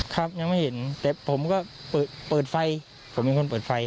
ครับยังไม่เห็นแต่ผมก็เปิดไฟผมเป็นคนเปิดไฟ